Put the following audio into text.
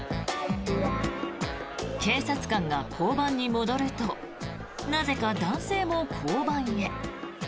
警察官が交番に戻るとなぜか男性も交番へ。